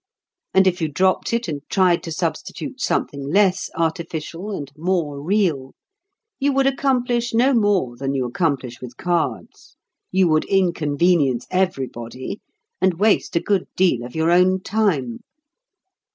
And if you dropped it and tried to substitute something less artificial and more real, you would accomplish no more than you accomplish with cards, you would inconvenience everybody, and waste a good deal of your own time.